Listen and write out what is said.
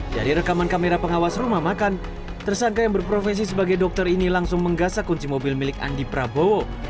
dari rekaman kamera pengawas rumah makan tersangka yang berprofesi sebagai dokter ini langsung menggasak kunci mobil milik andi prabowo